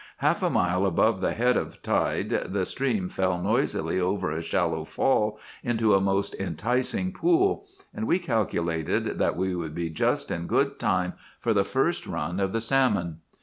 Half a mile above the head of tide the stream fell noisily over a shallow fall into a most enticing pool, and we calculated that we would be just in good time for the first run of the salmon.